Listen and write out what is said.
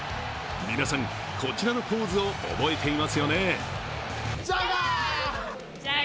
皆さん、こちらのポーズを覚えていますよね？